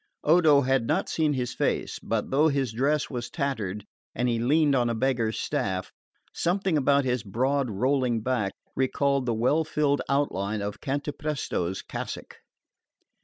Odo had not seen his face; but though his dress was tattered, and he leaned on a beggar's staff, something about his broad rolling back recalled the well filled outline of Cantapresto's cassock.